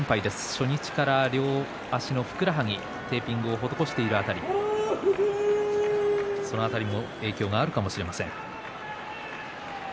初日から両足のふくらはぎにテーピングを施している辺り影響があるのかもしれません。